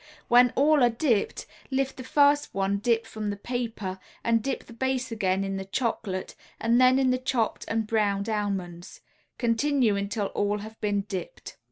When all are dipped, lift the first one dipped from the paper and dip the base again in the chocolate, and then in the chopped and browned almonds. Continue until all have been dipped.